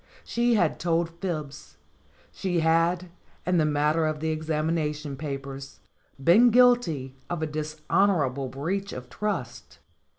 She had told fibs. She had, in the matter of the examination papers, been guilty of a dishonorable breach of trust.